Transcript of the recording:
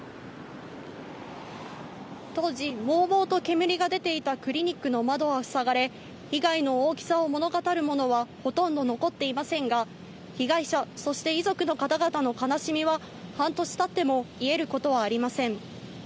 当時、もうもうと煙が出ていたクリニックの窓は塞がれ、被害の大きさを物語るものはほとんど残っていませんが、被害者、そして遺族の方々の悲しみは、半年たっても癒えることはありません。